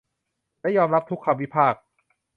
และยอมรับทุกคำวิพากษ์